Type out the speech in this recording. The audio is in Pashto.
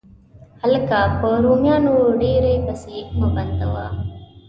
هلکه، په رومیانو ډېرې پیسې مه بندوه.